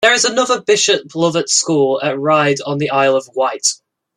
There is another Bishop Lovett School at Ryde on the Isle of Wight.